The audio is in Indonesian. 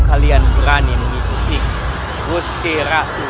tolong jangan tinggalkan aku